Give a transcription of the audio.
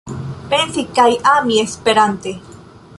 Pensi kaj ami esperante.